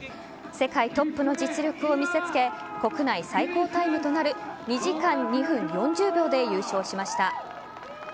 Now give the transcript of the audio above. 世界トップの実力を見せつけ国内最高タイムとなる２時間２分４０秒で優勝しました。